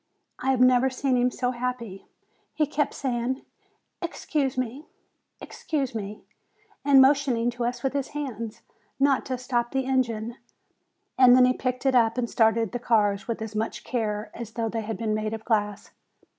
I have never seen him so happy. He kept saying, "Excuse me, excuse me," and motioning to us with his hands, not to stop the engine; and then he picked it up and started the cars with as much care as though they had been made of glass.